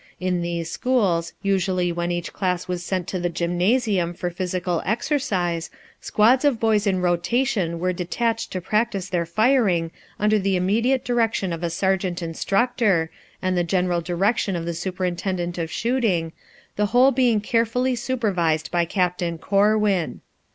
In these schools, usually when each class was sent to the gymnasium for physical exercise, squads of boys in rotation were detached to practice their firing under the immediate direction of a sergeant instructor, and the general direction of the superintendent of shooting, the whole being carefully supervised by Captain Corwin.